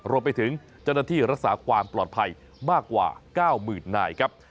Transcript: รวมไปถึงเจ้าหน้าที่รักษาความปลอดภัยมากกว่า๙๐๐นายครับ